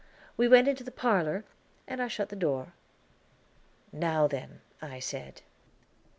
We went into the parlor, and I shut the door. "Now then," I said.